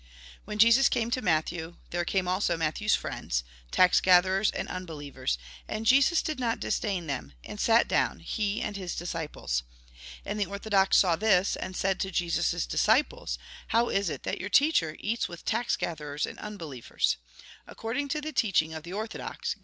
When Jesus came to Matthew, there came also Matthew's friends, tax gatherers and unbelievers, and Jesus did not disdain them, and sat down, he and his disciples. And the orthodox saw this, and said to Jesus' disciples :" How is it that your teacher eats with tax gatherers and unbelievers ?" According to the teaching of the orthodox.